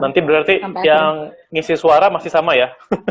nanti berarti yang ngisi suara masih sama ya